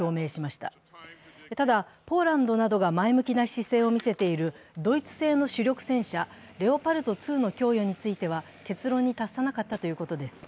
ただ、ポーランドなどが前向きな姿勢を見せているドイツ製の主力戦車レオパルト２の供与については結論に達さなかったということです。